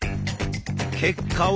結果は？